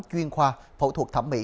chuyên khoa phẫu thuật thẩm mỹ